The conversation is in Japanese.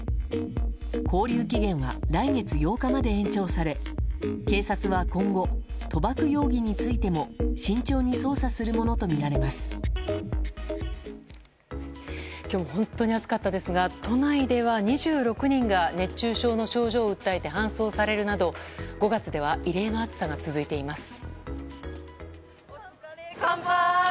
勾留期限は来月８日まで延長され警察は今後賭博容疑についても今日本当に暑かったですが都内では２６人が熱中症の症状を訴えて搬送されるなど、５月では異例の暑さが続いています。